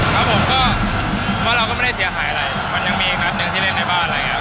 ครับผมก็ว่าเราก็ไม่ได้เสียหายอะไรมันยังมีอีกนัดหนึ่งที่เล่นในบ้านอะไรอย่างนี้